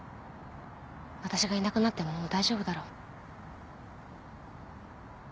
私がいなくなってももう大丈夫だろう。